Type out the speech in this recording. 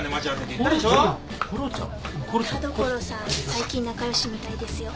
最近仲良しみたいですよ。